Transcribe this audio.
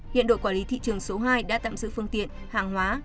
hiện đội quản lý thị trường số hai đã tạm giữ phương tiện hàng hóa